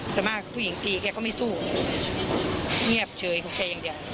ส่วนมากผู้หญิงตีแกก็ไม่สู้เงียบเฉยของแกอย่างเดียว